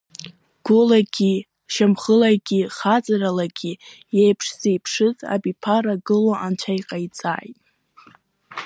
Гәылагьы-шьамхылагьы, хаҵаралагьы, иеиԥш-зеиԥшыз абиԥара гыло анцәа иҟаиҵааит.